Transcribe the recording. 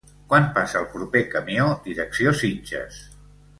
Quan passa el proper camió direcció Sitges?